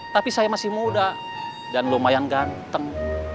tapi saya masih muda dan lumayan ganteng